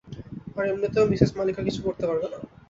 আর এমনেতেও মিসেস মালিকা কিছু করতে পারবে না।